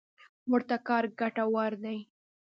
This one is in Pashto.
ورته کار ګټور دی.